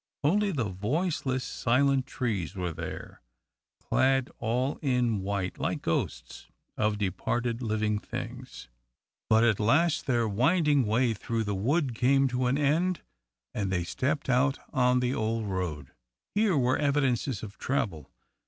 Only the voiceless, silent trees were there, clad all in white like ghosts of departed living things. But at last their winding way through the wood came to an end, and they stepped out on the old road. Here were evidences of travel.